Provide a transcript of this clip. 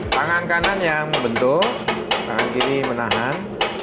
tangan kanan yang membentuk tangan kiri menahan